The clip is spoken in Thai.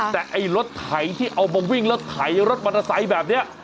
แต่ไอ้รถไถที่เอามาวิ่งรถไถรถมันาสายแบบนี้